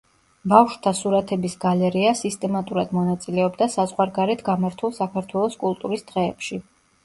ბავშვთა სურათების გალერეა სისტემატურად მონაწილეობდა საზღვარგარეთ გამართულ საქართველოს კულტურის დღეებში.